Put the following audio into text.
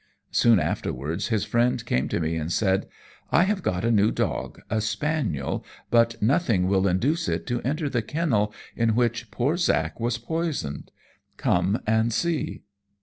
Soon afterwards this friend came to me and said, "I have got a new dog a spaniel but nothing will induce it to enter the kennel in which poor Zack was poisoned. Come and see!"